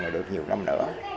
là được nhiều năm nữa